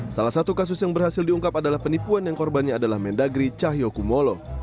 salah satu kasus yang berhasil diungkap adalah penipuan yang korbannya adalah mendagri cahyokumolo